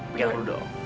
biar dulu dong